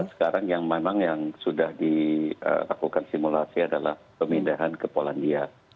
sekarang yang memang yang sudah dilakukan simulasi adalah pemindahan ke polandia